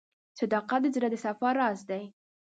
• صداقت د زړه د صفا راز دی.